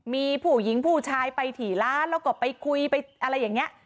มีผู้หญิงผู้ชายไปถี่ร้านแล้วก็ไปคุยไปอะไรอย่างนี้